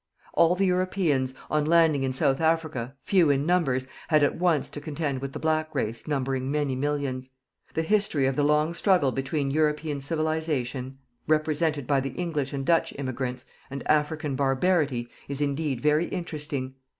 All the Europeans, on landing in South Africa, few in numbers, had at once to contend with the black race numbering many millions. The history of the long struggle between European civilization, represented by the English and Dutch immigrants, and African barbarity, is indeed very interesting.